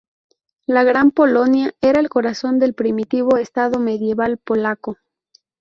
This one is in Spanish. La Gran Polonia era el corazón del primitivo estado medieval polaco.